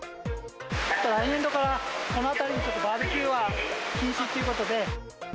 来年度からこの辺り、ちょっとバーベキューは禁止ということで。